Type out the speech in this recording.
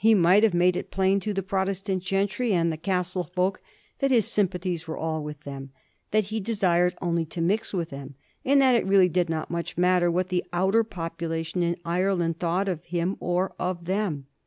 might have made it plain to the Protestant gentry and the Castle folk that his sympathies were all with them ; that he desired only to mix with them ; and that it really did not much matter what the outer population in Ire land thought of him or of them.